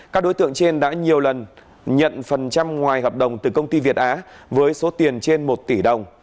các đối tượng trên đã nhiều lần nhận phần trăm ngoài hợp đồng từ công ty việt á với số tiền trên một tỷ đồng